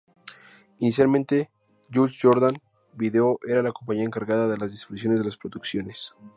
Inicialmente, Jules Jordan Video era la compañía encargada de la distribución de las producciones.